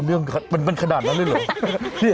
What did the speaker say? มันขนาดนั้นเลยหรอ